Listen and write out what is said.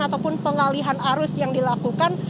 ataupun pengalihan arus yang dilakukan